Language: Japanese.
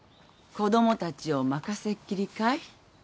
子供たちを任せっきりかい？